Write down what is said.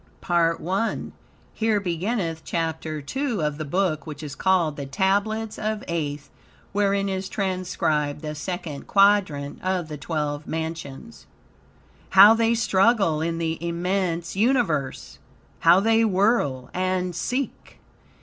PART I Here beginneth Chapter 2 of the Book which is called "The Tablets of Aeth," wherein is transcribed the Second Quadrant of the Twelve Mansions. "How they struggle in the immense Universe! How they whirl and seek!